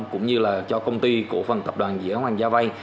cũng như là cho công ty của phần tập đoàn giữa hoàng gia vay